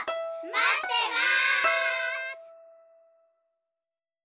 まってます！